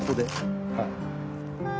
はい。